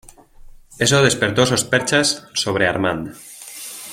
Eso despertó sospechas sobre Armand.